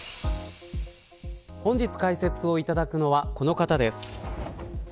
本日解説をいただくのはこの方です。